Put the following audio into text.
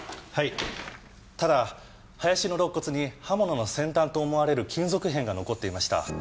はいただ林の肋骨に刃物の先端と思われる金属片が残っていました。